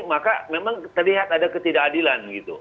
maka memang terlihat ada ketidakadilan gitu